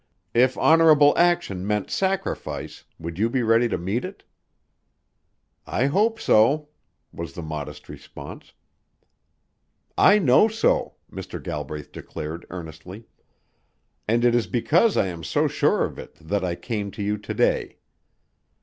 If honorable action meant sacrifice, would you be ready to meet it?" "I hope so," was the modest response. "I know so," Mr. Galbraith declared earnestly, "and it is because I am so sure of it that I came to you to day.